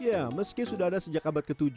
ya meski sudah ada sejak abad ke tujuh